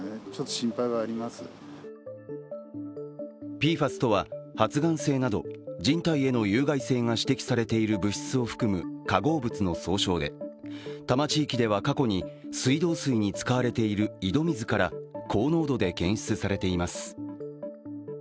ＰＦＡＳとは発がん性など、人体への有害性が指摘されている物質を含む化合物の総称で、多摩地域では過去に水道水に使われている井戸水から高濃度で検出されています。